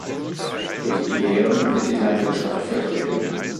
Durch die Ähren wird die Landwirtschaft vertreten.